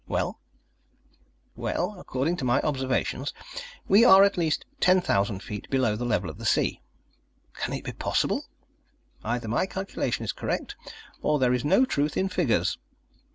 "Well?" "Well, according to my observations, we are at least ten thousand feet below the level of the sea." "Can it be possible?" "Either my calculation is correct, or there is no truth in figures."